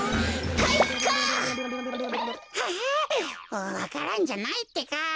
あわか蘭じゃないってか。